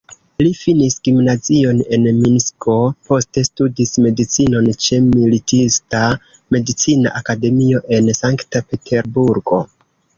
Li finis gimnazion en Minsko, poste studis medicinon ĉe Militista-Medicina Akademio en Sankt-Peterburgo.